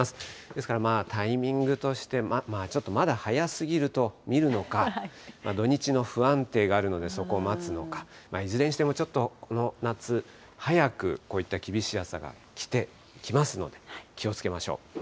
ですから、タイミングとして、ちょっとまだ早すぎると見るのか、土日の不安定があるので、そこを待つのか、いずれにしてもちょっとこの夏、早く、こういった厳しい暑さが来ますので、気をつけましょう。